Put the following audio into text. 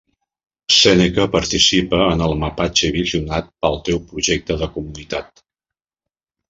Seneca participa en el mapatge i visionat pel teu projecte de comunitat.